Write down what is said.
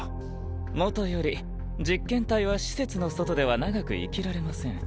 もとより実験体は施設の外では長く生きられません。